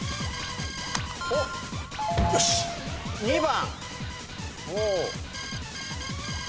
２番。